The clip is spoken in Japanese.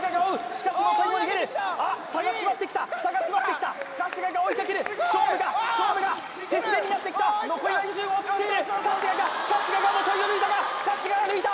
しかし基も逃げる差が詰まってきた差が詰まってきた春日が追いかける勝負が勝負が接戦になってきた残りは２５を切っている春日が春日が基を抜いたか春日が抜いた！